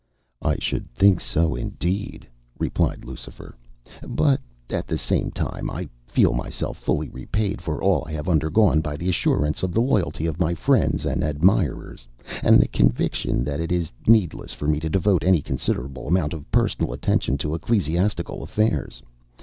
"I should think so indeed," replied Lucifer. "But at the same time I feel myself fully repaid for all I have undergone by the assurance of the loyalty of my friends and admirers, and the conviction that it is needless for me to devote any considerable amount of personal attention to ecclesiastical affairs.